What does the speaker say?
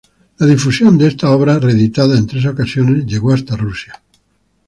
La difusión de esta obra, reeditada en tres ocasiones, llegó hasta Rusia.